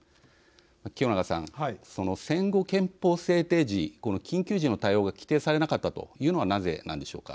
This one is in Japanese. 清永さん、その戦後憲法制定時この緊急時の対応が規定されなかったというのはなぜなんでしょうか。